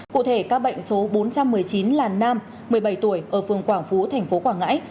cụ thể ca bệnh số bốn trăm một mươi chín là nam một mươi bảy tuổi ở phường quảng phú thành phố quảng ngãi